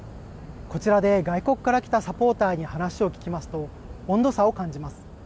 こちらで外国から来たサポーターに話を聞きますと、温度差を感じます。